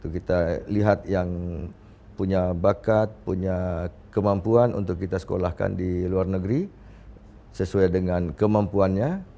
kita lihat yang punya bakat punya kemampuan untuk kita sekolahkan di luar negeri sesuai dengan kemampuannya